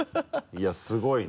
いやすごいね。